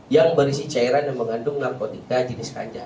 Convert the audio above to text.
yang berisi cairan dan mengandung narkotika jenis kj atau liquid thc